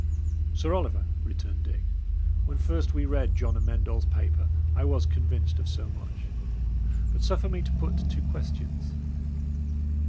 "Sir Oliver," returned Dick, "when first we read John Amend All's paper, I was convinced of so much. But suffer me to put two questions.